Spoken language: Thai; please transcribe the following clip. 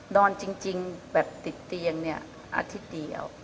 นอนจริงแบบติดเตียงเนี่ยอาทิตย์เดียว